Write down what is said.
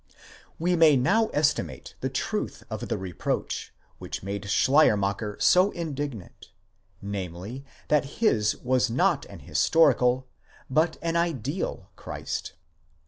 We may now estimate the truth of the reproach, which made Schleier macher so indignant, namely, that his was not an historical, but an ideal Christ.